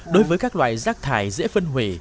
đối với các loại rác thải dễ phân hủy